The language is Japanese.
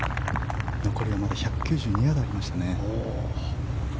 残りはまだ１９２ヤードありましたね。